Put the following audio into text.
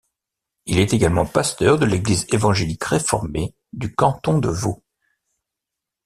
Il est également pasteur de l’Église évangélique réformée du canton de Vaud.